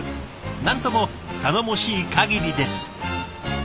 なんとも頼もしいかぎりです。